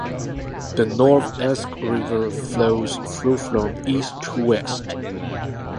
The North Esk River flows through from east to west.